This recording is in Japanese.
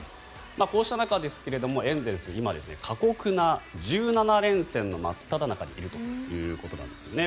こうした中ですがエンゼルスは過酷な１７連戦の真っただ中にいるということなんですね。